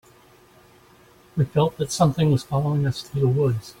We felt that something was following us through the woods.